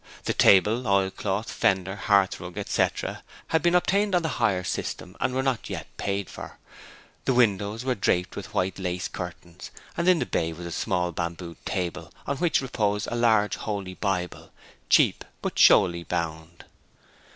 The table, oilcloth, fender, hearthrug, etc, had been obtained on the hire system and were not yet paid for. The windows were draped with white lace curtains and in the bay was a small bamboo table on which reposed a large Holy Bible, cheaply but showily bound.